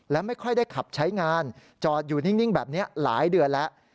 และไม่ค่อยได้ขับใช้งานจอดอยู่นิ่งแบบนี้หลายเดือนแล้ว